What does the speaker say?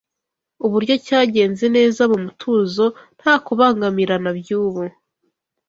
uburyo cyagenze neza mu mutuzo nta kubangamirana byubu